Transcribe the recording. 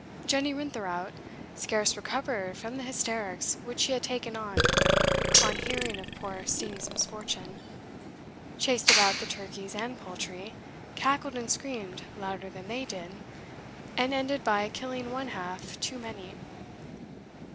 Jenny Rintherout, scarce recovered from the hysterics which she had taken on hearing of poor Steenie's misfortune, chased about the turkeys and poultry, cackled and screamed louder than they did, and ended by killing one half too many.